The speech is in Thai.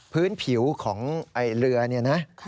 พื้นผิวของเรือนี่นะ